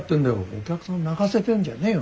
お客さん泣かせてんじゃねえよ。